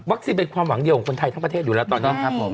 วัคซีนเป็นความหวังเดียวของคนไทยทั้งประเทศอยู่แล้วตอนนี้